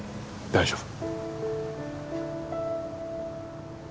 大丈夫。